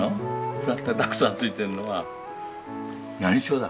フラットがたくさんついてるのは何調だ？